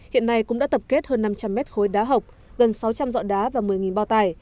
hiện nay cũng đã tập kết hơn năm trăm linh mét khối đá hộc gần sáu trăm linh dọ đá và một mươi bao tải